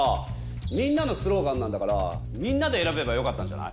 みんなのスローガンなんだからみんなで選べばよかったんじゃない？